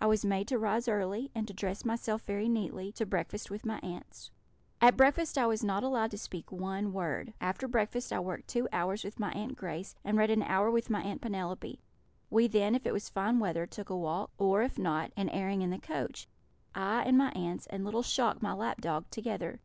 I was made to rise early, and to dress myself very neatly, to breakfast with my aunts. At breakfast I was not allowed to speak one word. After breakfast I worked two hours with my Aunt Grace, and read an hour with my Aunt Penelope; we then, if it was fine weather, took a walk, or, if not, an airing in the coach I, and my aunts, and little Shock, the lap dog, together.